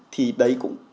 thì đấy cũng